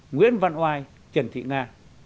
nguyễn văn oai trần thị nga